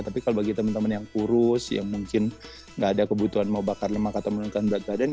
tapi kalau bagi teman teman yang kurus yang mungkin nggak ada kebutuhan mau bakar lemak atau menurunkan berat badan